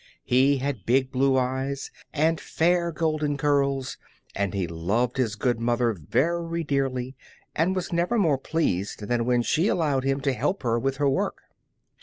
He had big blue eyes, and fair golden curls, and he loved his good mother very dearly, and was never more pleased than when she allowed him to help her with her work.